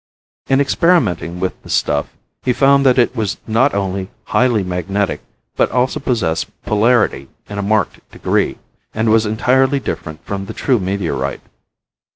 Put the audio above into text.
In experimenting with the stuff he found that it was not only highly magnetic, but also possessed polarity in a marked degree; and was entirely different from the true meteorite.